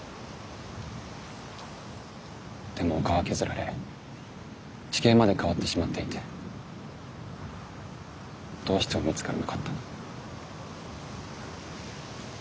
でも丘は削られ地形まで変わってしまっていてどうしても見つからなかった。